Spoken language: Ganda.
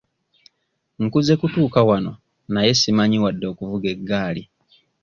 Nkuze kutuuka wano naye simanyi wadde okuvuga eggaali.